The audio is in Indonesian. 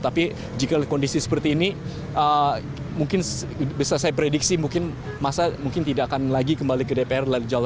tapi jika kondisi seperti ini mungkin bisa saya prediksi mungkin masa mungkin tidak akan lagi kembali ke dpr